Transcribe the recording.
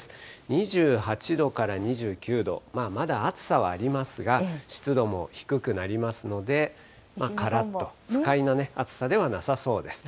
２８度から２９度、まだ暑さはありますが、湿度も低くなりますので、からっと、不快な暑さではなさそうです。